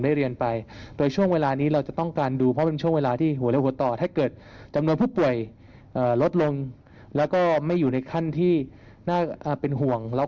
เดี๋ยวเขาก็ให้กรับสอบเพิ่มเติมอ่าเดี๋ยวฟังทางผู้บ้านกรทมก่อนนะครับ